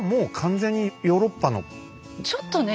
ちょっとね